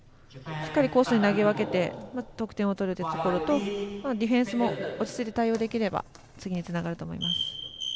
しっかりコースに投げ分け得点を取っていくこととディフェンスも落ち着いて対応できれば次につながると思います。